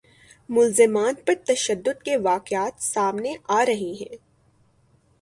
ملزمان پر تشدد کے واقعات سامنے آ رہے ہیں